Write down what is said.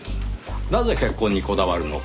なぜ結婚にこだわるのか。